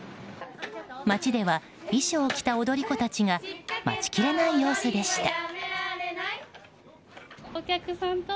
街では、衣装を着た踊り子たちが待ちきれない様子でした。